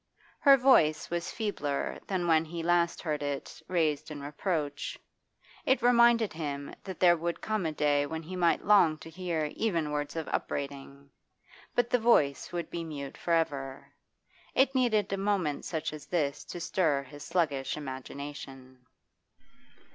Her voice was feebler than when he last heard it raised in reproach; it reminded him that there would come a day when he might long to hear even words of upbraiding, but the voice would be mute for ever. It needed a moment such as this to stir his sluggish imagination.